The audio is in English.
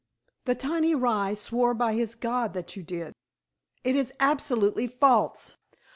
"The tiny rye swore by his God that you did." "It is absolutely false!"